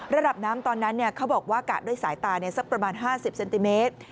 ระดับน้ำตอนนั้นเขาบอกว่ากะด้วยสายตาสักประมาณ๕๐เซนติเมตร